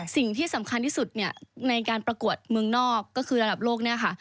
สิ่งที่สำคัญที่สุดเนี่ยในการประกวดเมืองนอกก็คือระดับโลกเนี่ยค่ะ